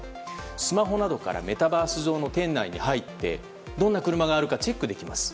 スマホなどからメタバース上の店内に入ってどんな車があるかチェックできます。